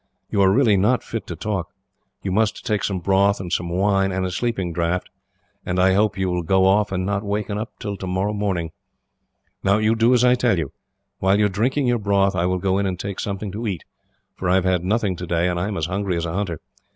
You are not fit to talk. You must take some broth, and some wine, and a sleeping draught; and I hope you will go off, and not wake up till tomorrow morning. "Now, you do as I tell you. While you are drinking your broth, I will go in and take something to eat, for I have had nothing today, and am as hungry as a hunter.